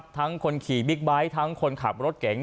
คนขี่บิ๊กไบท์ทั้งคนขับรถเก๋ง